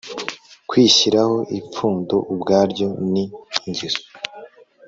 kwishyiriraho ipfundo ubwaryo ni ingeso